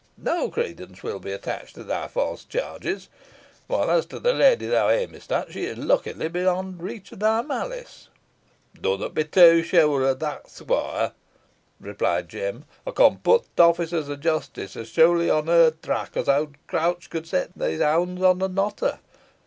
No credence will be attached to thy false charges; while, as to the lady thou aimest at, she is luckily beyond reach of thy malice." "Dunna be too sure o' that, squoire," replied Jem. "Ey con put t' officers o' jestis os surely on her track os owd Crouch could set these hounds on an otter.